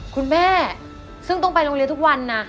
คุณแม่ซึ่งต้องไปโรงเรียนทุกวันนะ